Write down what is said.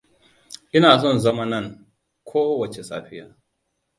Ina son zama nan ko wace safiya.